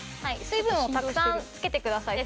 水分をたくさんつけてください。